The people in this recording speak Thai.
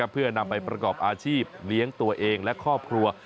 เพื่อนำไปประกอบอาชีพเลี้ยงตัวเองและครอบครัว